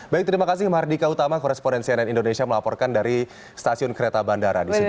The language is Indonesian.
baik terima kasih md hardika utama koresponen cnn indonesia melaporkan dari stasiun kereta bandara di sudirman